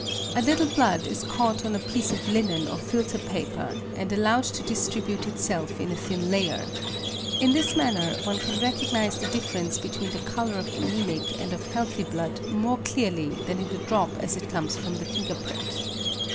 A little blood is caught on a piece of linen or filter paper, and allowed to distribute itself in a thin layer. In this manner one can recognise the difference between the colour of anæmic and of healthy blood more clearly than in the drop as it comes from the finger prick.